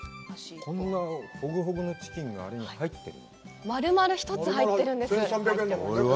こんなぼぐぼぐのチキンが入ってる？